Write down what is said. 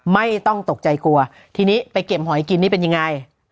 ไม่ต้องตกใจกลัวทีนี้ไปเก็บหอยกินนี่เป็นยังไง